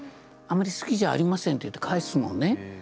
「あまり好きじゃありません」と言って返すのね。